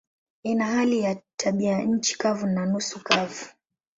Ina hali ya tabianchi kavu na nusu kavu.